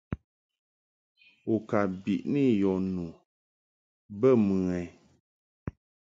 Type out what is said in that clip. U ka biʼni yɔ nu bə mɨ ɛ?